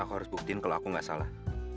aku harus buktiin kalau aku nggak salah